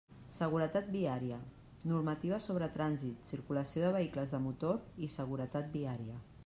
Seguretat viaria: normativa sobre trànsit, circulació de vehicles de motor i seguretat viaria.